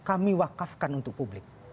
kami wakafkan untuk publik